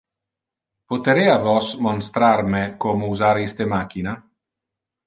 Poterea vos monstrar me como usar iste machina?